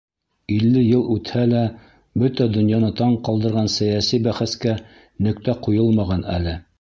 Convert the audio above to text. Илле йыл үтһә лә, бөтә донъяны таң ҡалдырған сәйәси бәхәскә нөктә ҡуйылмаған әле.